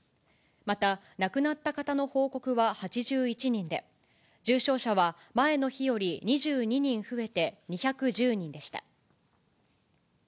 また、亡くなった方の報告は８１人で、重症者は前の日より２２人増えて２１０人でした。